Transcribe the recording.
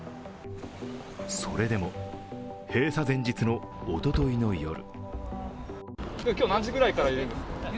それでも、閉鎖前日のおとといの夜。